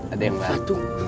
ada yang bantu